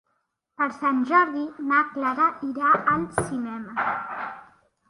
Per Sant Jordi na Clara irà al cinema.